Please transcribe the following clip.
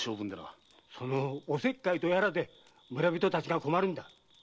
そのおせっかいとやらで村人たちが困るんだ。